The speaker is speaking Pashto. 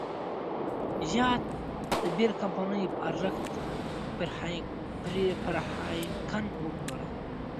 زیات د بیر کمپنۍ په ارزښت پر هاینکن وپلوره.